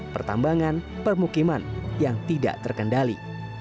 pertambangan permukiman yang tidak terkendali